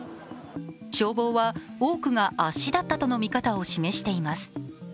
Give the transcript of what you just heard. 消防が多くが圧死だったとの見方を示しています。